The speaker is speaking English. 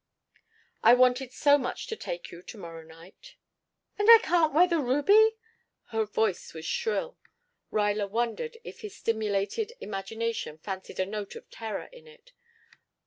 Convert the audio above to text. I wanted so much to take you to morrow night " "And I can't wear the ruby?" Her voice was shrill. Ruyler wondered if his stimulated imagination fancied a note of terror in it.